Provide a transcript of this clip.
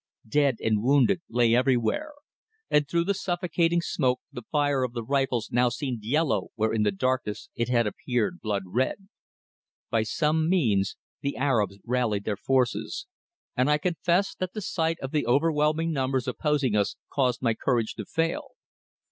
Dead and wounded lay everywhere, and through the suffocating smoke the fire of the rifles now seemed yellow where in the darkness it had appeared blood red. By some means the Arabs rallied their forces, and I confess that the sight of the overwhelming numbers opposing us caused my courage to fail.